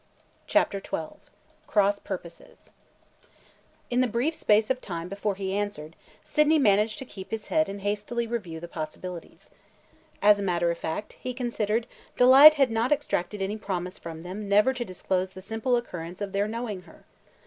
CHAPTER XII CROSS PURPOSES IN the brief space of time before he answered, Sydney managed to keep his head and hastily review the possibilities. As a matter of fact, he considered, Delight had not extracted any promise from them never to disclose the simple occurrence of their knowing her.